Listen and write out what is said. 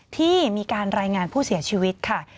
ที่มีการรายงานผู้เสียชีวิตค่ะ